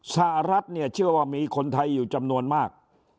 สหรัฐเนี่ยเชื่อว่ามีคนไทยอยู่จำนวนมาก